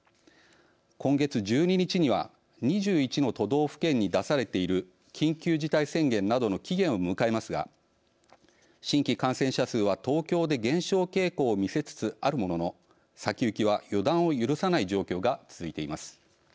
今月１２日には２１の都道府県に出されている緊急事態宣言などの期限を迎えますが新規感染者数は東京で減少傾向を見せつつあるものの先行きは予断を許さない状況が続いています。